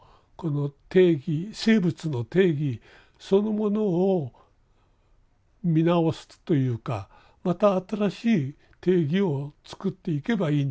生物の定義そのものを見直すというかまた新しい定義をつくっていけばいいんだと思うんです。